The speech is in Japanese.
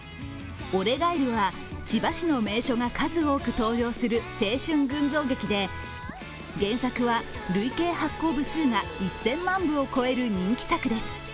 「俺ガイル」は千葉市の名所が数多く登場する青春群像劇で原作は累計発行部数が１０００万部を超える人気作です。